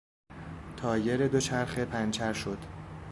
تایر دوچرخه پنچر شد.